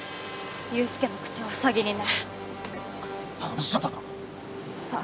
雄介の口をふさぎにね。